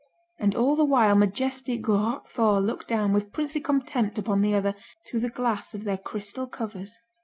And all the while majestic Roqueforts looked down with princely contempt upon the other, through the glass of their crystal covers.